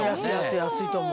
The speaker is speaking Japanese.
安いと思う。